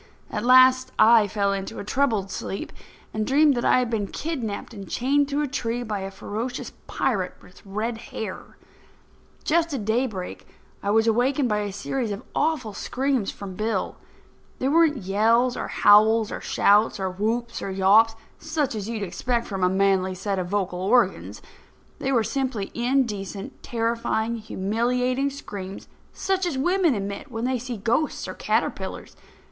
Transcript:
At last, I fell into a troubled sleep, and dreamed that I had been kidnapped and chained to a tree by a ferocious pirate with red hair. Just at daybreak, I was awakened by a series of awful screams from Bill. They weren't yells, or howls, or shouts, or whoops, or yawps, such as you'd expect from a manly set of vocal organs—they were simply indecent, terrifying, humiliating screams, such as women emit when they see ghosts or caterpillars.